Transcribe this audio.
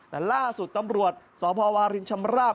แต่ล่าสุดตำรวจสพวารินชำราบ